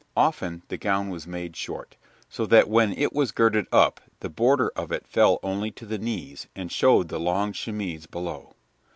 Often the gown was made short, so that when it was girded up the border of it fell only to the knees, and showed the long chemise below.